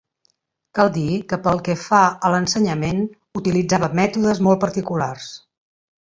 Cal dir, que pel que fa a l'ensenyament, utilitzava mètodes molt particulars.